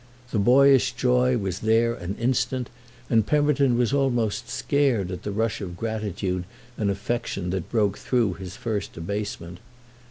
The boyish joy was there an instant, and Pemberton was almost scared at the rush of gratitude and affection that broke through his first abasement.